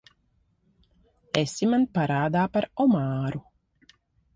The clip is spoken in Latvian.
Esi man parādā par omāru.